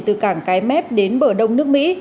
từ cảng cái mép đến bờ đông nước mỹ